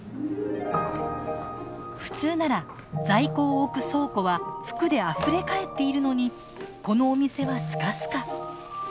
普通なら在庫を置く倉庫は服であふれかえっているのにこのお店はスカスカ。